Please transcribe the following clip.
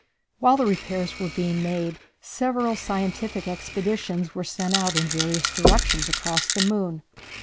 While the repairs were being made several scientific expeditions were sent out in various directions across the moon.